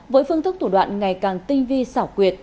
với phương thức thủ đoạn ngày càng tinh vi xảo quyệt